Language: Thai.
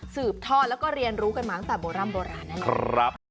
สืบทอดแล้วก็เรียนรู้กันมาตั้งแต่โบร่ำโบราณนั่นเองครับ